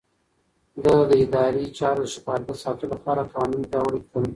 ده د ادارې چارو د شفافيت ساتلو لپاره قوانين پياوړي کړل.